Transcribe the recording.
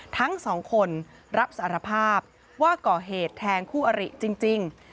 ทั้งสองคนรับสารภาพว่าก่อเหตุแทงคู่อริจริง